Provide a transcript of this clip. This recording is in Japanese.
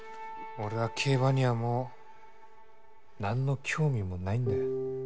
俺は競馬にはもうなんの興味もないんだ。